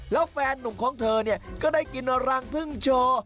แล้วแฟนนุ่มของเธอเนี่ยก็ได้กินรังพึ่งโชว์